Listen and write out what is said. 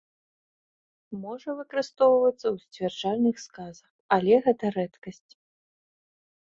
Можа выкарыстоўвацца ў сцвярджальных сказах, але гэта рэдкасць.